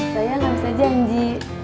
sayang gak usah janji